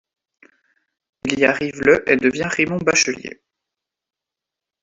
Il y arrive le et devient Raymond Bachelier.